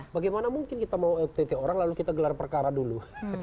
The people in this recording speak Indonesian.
bagaimana mungkin kita mau ott orang lalu kita gelar perkara dulu